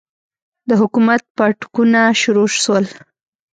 د حکومت پاټکونه شروع سول.